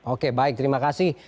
oke baik terima kasih